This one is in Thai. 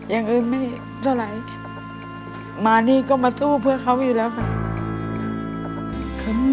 อย่างอื่นไม่เท่าไหร่มานี่ก็มาสู้เพื่อเขาอยู่แล้วค่ะ